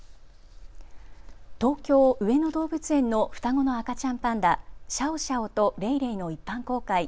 東京上野動物園の双子の赤ちゃんパンダ、シャオシャオとレイレイの一般公開。